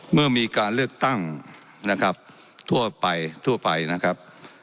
เมื่อมีการเลือกตั้งนะครับทั่วไปทั่วไปนะครับ